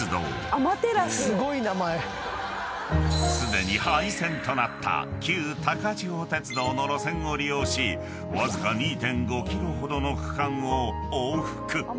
［すでに廃線となった旧高千穂鉄道の路線を利用しわずか２．５ｋｍほどの区間を往復］